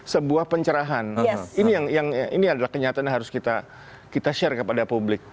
sebuah pencerahan ini yang yang ini adalah kenyataan harus kita kita share kepada publik